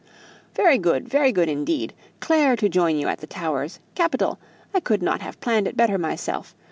"Very good very good, indeed! Clare to join you at the Towers! Capital! I couldn't have planned it better myself!